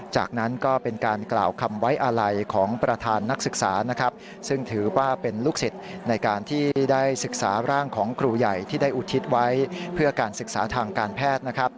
จากนั้นก็เป็นการกล่าวคำไว้อาลัยของประธานนักศึกษานะครับซึ่งถือว่าเป็นลูกศิษย์ในการที่ได้ศึกษาร่างของครูใหญ่ที่ได้อุทิศไว้เพื่อการศึกษาทางการแพทย์นะครับ